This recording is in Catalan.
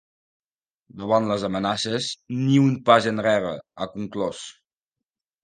Davant les amenaces, ni un pas enrere, ha conclòs.